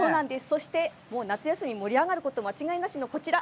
そして、夏休み、盛り上がること間違いなしのこちら。